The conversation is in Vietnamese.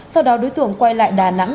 sau đó đối tượng quay lại đà nẵng